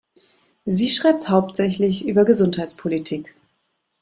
Sie schreibt hauptsächlich über Gesundheitspolitik.